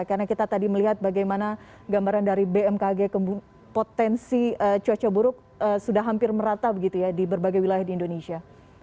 karena kita tadi melihat bagaimana gambaran dari bmkg potensi cuaca buruk sudah hampir merata begitu ya di berbagai wilayah di indonesia